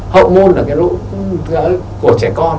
hậu môn là cái lỗ của trẻ con